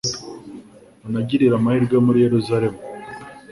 unagirire amahirwe muri Yeruzalemu